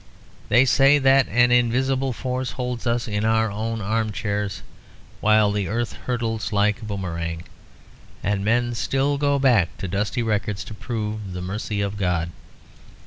They say that an invisible force holds us in our own armchairs while the earth hurtles like a boomerang; and men still go back to dusty records to prove the mercy of God.